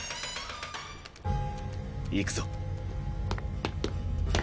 行くぞ。